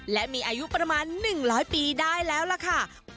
และมีอายุประมาณ๑๐๐ปีได้แล้วล่ะค่ะ